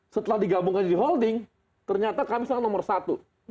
setelah digabungkan jadi holding ternyata kami sekarang nomor satu